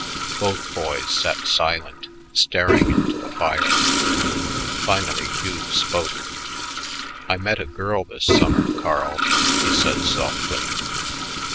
Both boys sat silent, staring into the fire. Finally Hugh spoke. "I met a girt this summer, Carl," he said softly.